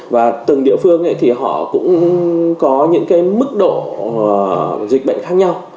và từng địa phương thì họ cũng có những cái mức độ dịch bệnh khác nhau